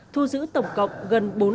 thu giữ tổng cộng gần bốn lực lượng chức năng